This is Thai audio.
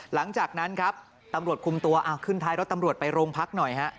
หลังจากนั้นครับตำรวจคุมตัวขึ้นท้ายรถตำรวจไปโรงพักหน่อยฮะ